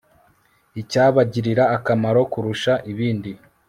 Icyabagirira akamaro kurusha ibindi